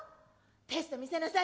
テスト見せなさい。